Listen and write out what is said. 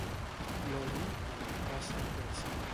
L'oli, per on passa, deixa.